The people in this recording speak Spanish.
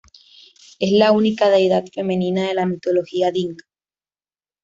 Es la única deidad femenina de la mitología dinka.